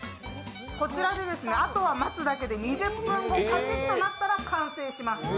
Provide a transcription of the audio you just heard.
こちらで、あとは待つだけで２０分後、カチッとなったら完成します。